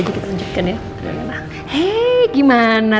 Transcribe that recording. waktu itu dennis bilang